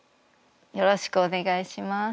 よろしくお願いします。